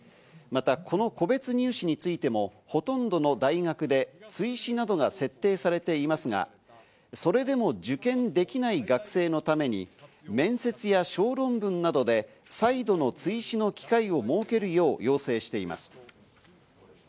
またこの個別入試についてもほとんどの大学で追試などが設定されていますが、それでも受験できない学生のために、面接や小論文などで再度の追試の機会を設けるよう要請しています。